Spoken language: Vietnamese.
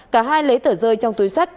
cả hai lấy tờ rơi trong túi sắt